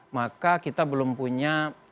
maka kita belum punya